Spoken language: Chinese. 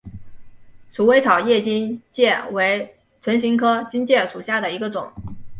鼠尾草叶荆芥为唇形科荆芥属下的一个种。